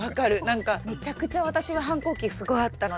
なんかめちゃくちゃ私は反抗期すごいあったので。